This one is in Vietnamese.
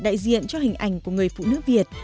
đại diện cho hình ảnh của người phụ nữ việt